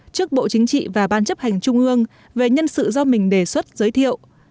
trước bộ chính trị và ban chấp hành trung ương về nhân sự do mình đề xuất giới thiệu